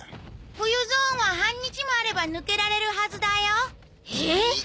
冬ゾーンは半日もあれば抜けられるはずだよえっ！？